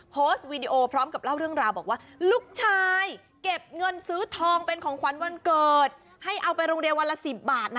วีดีโอพร้อมกับเล่าเรื่องราวบอกว่าลูกชายเก็บเงินซื้อทองเป็นของขวัญวันเกิดให้เอาไปโรงเรียนวันละ๑๐บาทนะ